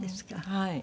はい。